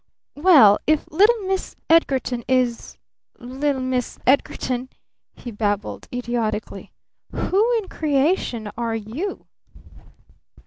"Well, if little Miss Edgarton is little Miss Edgarton," he babbled idiotically, "who in creation are you?"